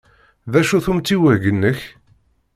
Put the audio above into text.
D acu-t umtiweg-nnek?